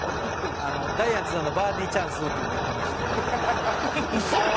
『ダイアン津田のバーディーチャンす』っていうのをやっていまして。